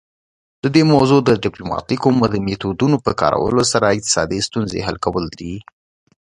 د دې موضوع د ډیپلوماتیکو میتودونو په کارولو سره اقتصادي ستونزې حل کول دي